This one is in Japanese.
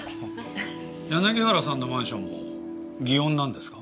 柳原さんのマンションも祇園なんですか？